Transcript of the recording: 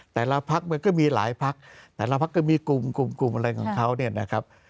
แต่ละพักมันก็มีหลายพักแต่ละพักก็มีกลุ่มกลุ่มอะไรของเขาเนี่ยนะครับ